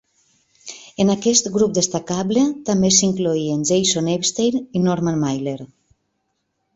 En aquest "grup destacable" també s'hi incloïen Jason Epstein i Norman Mailer.